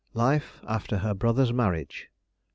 LIFE AFTER HER BROTHER'S MARRIAGE.